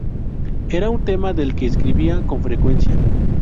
Era un tema del que escribía con frecuencia.